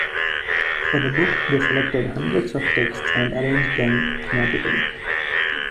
For the book they selected hundreds of texts and arranged them thematically.